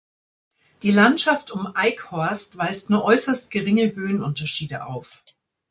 Die Landschaft um Eickhorst weist nur äußerst geringe Höhenunterschiede auf.